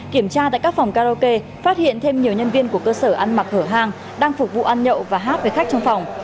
kiểm tra tại các phòng karaoke phát hiện thêm nhiều nhân viên của cơ sở ăn mặc hở hang đang phục vụ ăn nhậu và hát với khách trong phòng